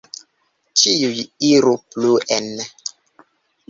Ĉiuj iru pluen!